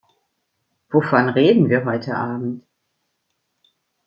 Wovon reden wir heute abend?